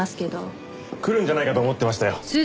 来るんじゃないかと思ってましたよ。